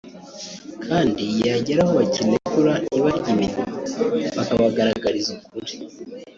kandi yagera aho bakinegura ntibarye iminwa bakabagaragariza ukuri